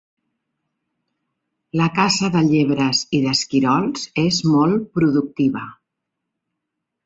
La caça de llebres i d'esquirols és molt productiva.